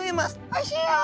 「おいしいよ。